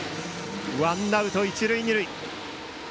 ワンアウト、一塁二塁。